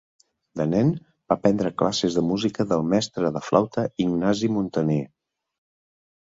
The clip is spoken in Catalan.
De nen, va prendre classes de música del mestre de flauta Ignasi Muntaner.